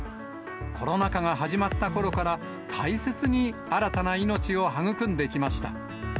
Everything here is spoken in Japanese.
コロナ禍が始まったころから、大切に新たな命を育んできました。